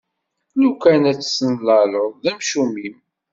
Lukan ad tt-tennaleḍ, d amcum-im!